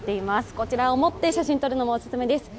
こちらを持って写真を撮るのもオススメです。